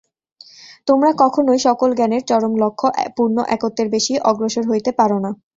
তোমরা কখনই সকল জ্ঞানের চরম লক্ষ্য পূর্ণ একত্বের বেশী অগ্রসর হইতে পার না।